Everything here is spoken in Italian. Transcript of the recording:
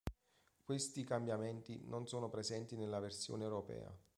Questi cambiamenti non sono presenti nella versione europea.